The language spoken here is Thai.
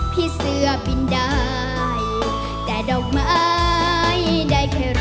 พี่เสื้อบินได้แต่ดอกไม้ได้แค่รอ